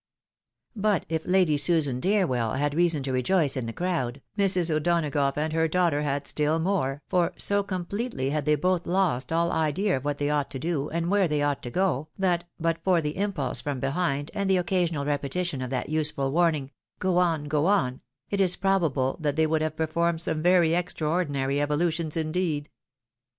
But if Lady Susan DeerweU had reason to rejoice in the crowd, Mrs. O'Donagough and her daughter had stiU more ; for_ so completely had they, both lost aU idea of what they ought to do, and where they ought to go, that but for the impulse from behind, and the occasional repetition of that useful warning, " Go on — go on," it is probable that they would have performed some very extraordinary evolutions indeed.